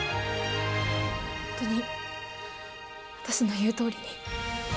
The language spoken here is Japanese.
ホントに私の言うとおりに？